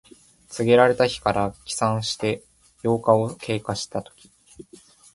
告げられた日から起算して八日を経過したとき。